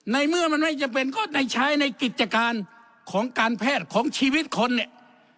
ในเมื่อมันไม่จำเป็นก็ได้ใช้ในกิจการของการแพทย์ของชีวิตคนเนี่ย